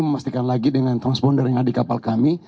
memastikan lagi dengan transponder yang ada di kapal kami